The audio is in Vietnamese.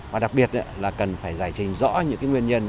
và đặc biệt là cần phải giải trình rõ những nguyên nhân